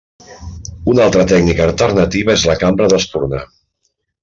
Una altra tècnica alternativa és la cambra d'espurna.